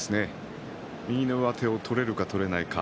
右の上手を取れるか取れないか。